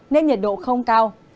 nên nhiệt độ không cao